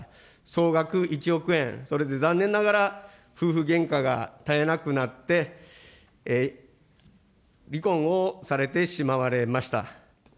総額１億円、それで残念ながら、夫婦げんかが絶えなくなって、離婚をされてしまわれました。